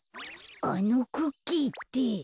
あのクッキーって。